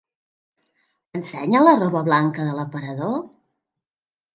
M'ensenya la roba blanca de l'aparador?